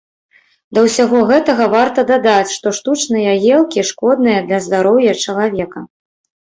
Да ўсяго гэтага варта дадаць, што штучныя елкі шкодныя для здароўя чалавека.